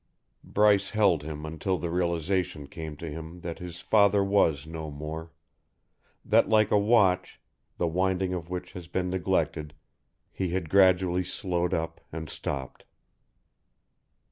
Bryce held him until the realization came to him that his father was no more that like a watch, the winding of which has been neglected, he had gradually slowed up and stopped.